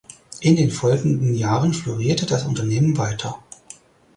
In den folgenden Jahren florierte das Unternehmen weiter.